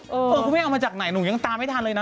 คุณแม่เอามาจากไหนหนูยังตามไม่ทันเลยนะ